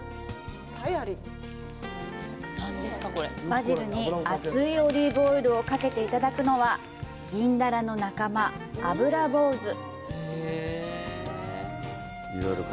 バジルに熱いオリーブオイルをかけていただくのは銀だらの仲間、アブラボウズ。